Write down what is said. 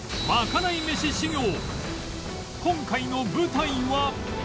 今回の舞台は